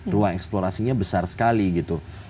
ruang eksplorasinya besar sekali gitu